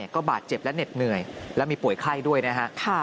ก็บาดเจ็บและเหน็ดเหนื่อยและมีป่วยไข้ด้วยนะฮะ